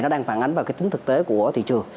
nó đang phản ánh vào cái tính thực tế của thị trường